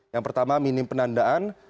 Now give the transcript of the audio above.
yang pertama minim pendandaan